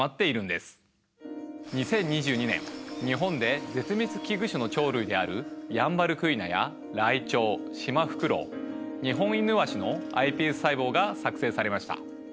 ２０２２年日本で絶滅危惧種の鳥類であるヤンバルクイナやライチョウシマフクロウ二ホンイヌワシのｉＰＳ細胞が作製されました。